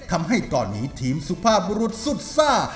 ทำให้ตอนนี้ทีมสุภาพบรุษสุดซ่า